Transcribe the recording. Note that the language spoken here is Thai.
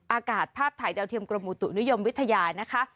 อากาศภาพไทยเตรียมเกราะมาประโยคหนุนยมวิทยานะคะ